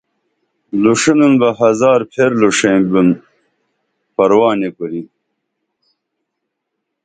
لُوݜنُن بہ ہزار پھیر لُوݜیں بُن پرواہ نی کُری